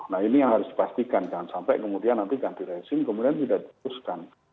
nah ini yang harus dipastikan jangan sampai kemudian nanti ganti rezim kemudian tidak diputuskan